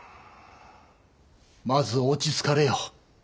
まず落ち着かれよ。